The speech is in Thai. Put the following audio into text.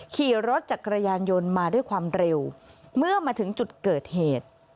ขี่รถจักรยานยนต์มาด้วยความเร็วเมื่อมาถึงจุดเกิดเหตุ